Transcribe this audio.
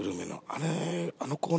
あれ。